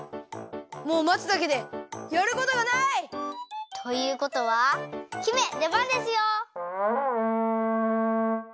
もうまつだけでやることがない！ということは姫でばんですよ！